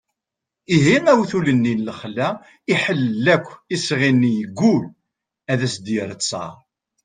ihi awtul-nni n lexla iḥellel akk isɣi-nni yeggul ad as-d-yerr ttar